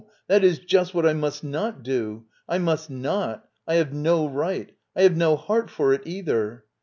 That is just what I must iiet do! I must not! I have no right! I have no heart for it, either!